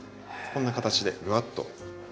こんな形でグワッと。